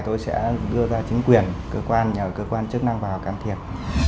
tôi sẽ đưa ra chính quyền cơ quan nhà cơ quan chức năng vào can thiệp